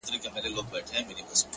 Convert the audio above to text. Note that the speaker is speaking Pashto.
صبر د هیلو ساتونکی دیوال دی